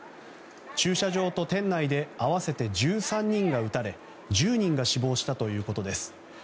駐車場と店内で合わせて１３人が撃たれ１０人が死亡したということです。